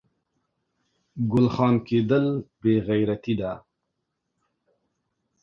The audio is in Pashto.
ګل خان کیدل بې غیرتي ده